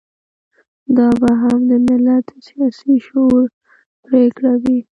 دا به هم د ملت د سياسي شعور پرېکړه وي.